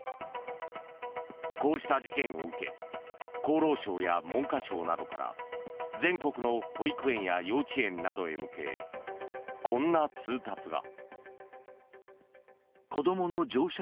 こうした事件を受け厚労省や文科省などから全国の保育園や幼稚園などへ向けこんな通達が。